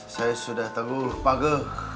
saya sudah teguh page